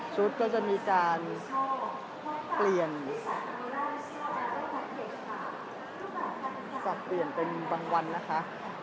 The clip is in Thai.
ก็จะมีการเปลี่ยนสับเปลี่ยนเป็นบางวันนะคะ